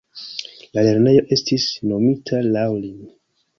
La lernejo estis nomita laŭ lin.